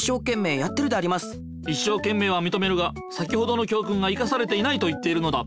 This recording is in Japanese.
いっしょうけんめいはみとめるが先ほどの教訓が生かされていないと言っているのだ。